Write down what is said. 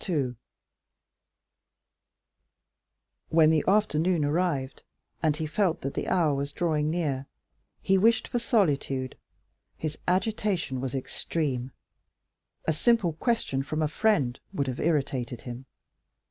When the afternoon arrived and he felt that the hour was drawing near, he wished for solitude, his agitation was extreme; a simple question from a friend would have irritated him.